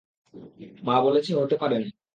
মা বলেছে হতে পারে না।